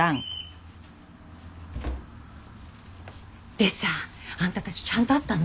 でさあんたたちちゃんとあったの？